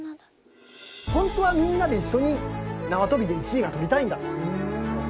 「ホントはみんなでいっしょに縄跳びで１位がとりたいんだ」。